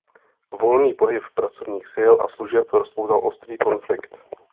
Volný pohyb pracovních sil a služeb rozpoutal ostrý konflikt.